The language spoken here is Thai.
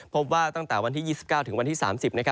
พบว่าตั้งแต่วันที่๒๙ถึงวันที่๓๐